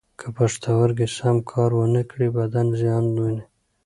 که پښتورګي سم کار و نه کړي، بدن زیان ویني.